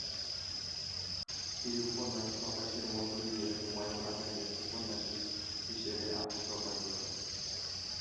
এই উপন্যাস প্রকাশের মধ্য দিয়ে হুমায়ুন আজাদের ঔপন্যাসিক হিসেবে আত্মপ্রকাশ ঘটে।